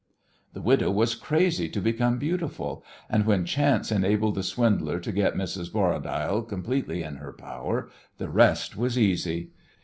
The widow was crazy to become beautiful, and, when chance enabled the swindler to get Mrs. Borradaile completely in her power, the rest was easy.